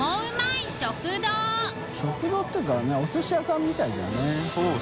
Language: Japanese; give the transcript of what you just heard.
淵劵蹈漾食堂っていうかおすし屋さんみたいだね。